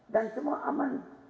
dan semua aman